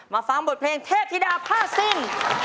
มาฟังบทเพลงเทพจิดาพาซิน